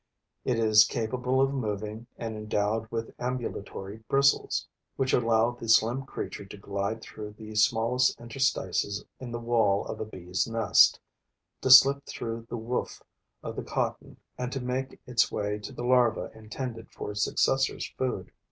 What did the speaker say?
It is capable of moving and endowed with ambulatory bristles, which allow the slim creature to glide through the smallest interstices in the wall of a Bee's nest, to slip through the woof of the cocoon and to make its way to the larva intended for its successor's food.